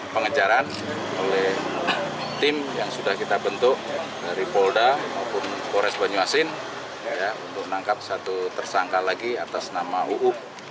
pengejaran oleh tim yang sudah kita bentuk dari polda maupun polres banyuasin untuk menangkap satu tersangka lagi atas nama uu